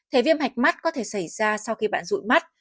thể viêm hạch mắt có thể xảy ra sau khi bạn rụi mắt